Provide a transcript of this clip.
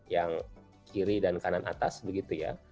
yang kiri dan kanan atas begitu ya